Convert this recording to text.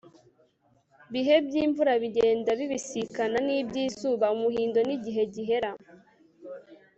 bihe by'imvura bigenda bibisikana n'iby'izuba. umuhindo ni igihe gihera